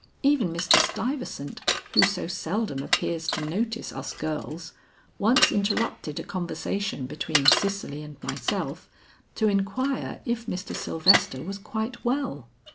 Even Mr. Stuyvesant who so seldom appears to notice us girls, once interrupted a conversation between Cicely and myself to inquire if Mr. Sylvester was quite well.